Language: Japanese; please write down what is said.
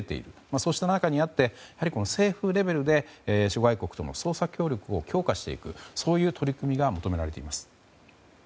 そうした中にあって政府レベルで諸外国との捜査協力を強化していく取り組みが求められています。